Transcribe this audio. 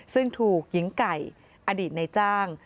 ซึ่งถูกหญิงไก่อดีตในจ้าง